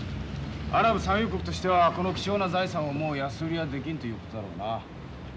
アラブ産油国としてはこの貴重な財産をもう安売りはできんということだろうな。